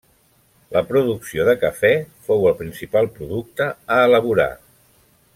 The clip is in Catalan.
La producció de cafè fou el principal producte a elaborar.